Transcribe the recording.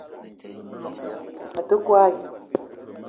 Me te kwuan